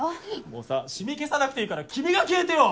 もうさシミ消さなくていいから君が消えてよ！